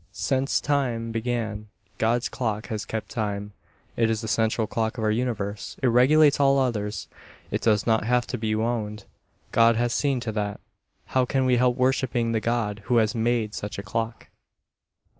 Since time began God's clock has kept time. It is the central clock of our universe. It regulates all others. It does not have to be wound. God has seen to that. How can we help worshiping the God who has made such a clock!